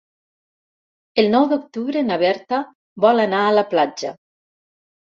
El nou d'octubre na Berta vol anar a la platja.